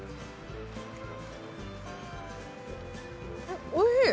んっおいしい。